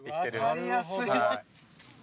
分かりやすい。